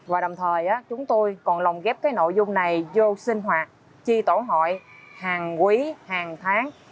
và đồng thời chúng tôi còn lồng ghép cái nội dung này vô sinh hoạt chi tổ hội hàng quý hàng tháng